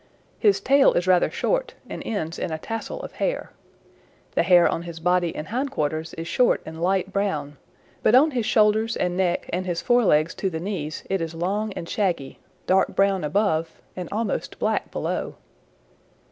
His tail is rather short and ends in a tassel of hair. The hair on his body and hind quarters is short and light brown, but on his shoulders and neck and his fore legs to the knees it is long and shaggy, dark brown above and almost black below."